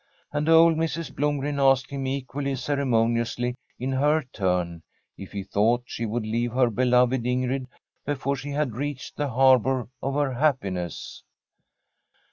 And old Mrs. Blomgren asked him equally ceremoniously in her turn if he thought she would leave her be loved Ingrid before she had reached the harbour of her happiness.